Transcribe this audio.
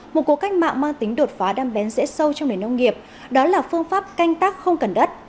một cuộc cách mạng mang tính đột phá đam bén dễ sâu trong nền nông nghiệp đó là phương pháp canh tác không cần đất